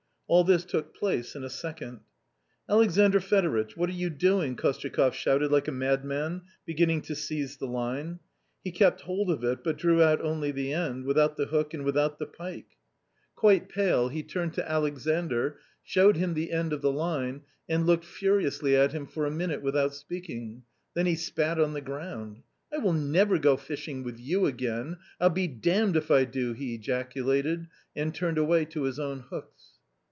All this took place in a second. " Alexandr Fedoritch ! what are you doing," Kostyakoff shouted like a madman, beginning to seize the line. He kept hold of it, but drew out only the end, without the hook and without the pike. A COMMON STORY 205 Quite pale, he turned to Alexandr, showed him the end of the line, and looked furiously at him for a minute without speaking, then he spat on the ground. " I will never go fishing with you again ; I'll be damned if I do," he ejaculated, and turned away to his own hooks.